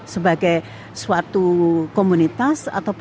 sebagai suatu komunitas atau